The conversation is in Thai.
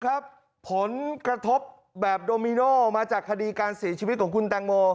ผลกระทบแบบโดมิโนมาจากคดีการเสียชีวิตของคุณแตงโม